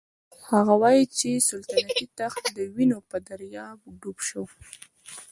هغه وايي چې سلطنتي تخت د وینو په دریاب ډوب شو.